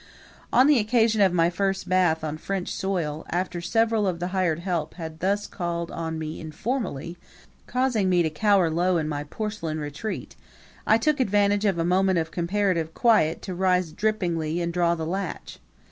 On the occasion of my first bath on French soil, after several of the hired help had thus called on me informally, causing me to cower low in my porcelain retreat, I took advantage of a moment of comparative quiet to rise drippingly and draw the latch.